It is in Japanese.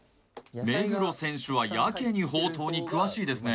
目黒選手はやけにほうとうに詳しいですね